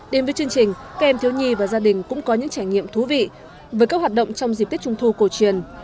đến với chương trình các em thiếu nhi và gia đình cũng có những trải nghiệm thú vị với các hoạt động trong dịp tết trung thu cổ truyền